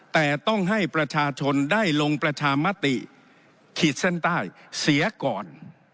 แต่ต้องให้ประชาชนได้ลงประชามติขีดเส้นใต้เสียก่อน